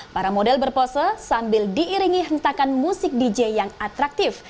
para model berpose sambil diiringi hentakan musik dj yang atraktif